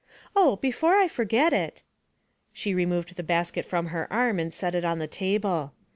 'Oh, before I forget it.' She removed the basket from her arm and set it on the table.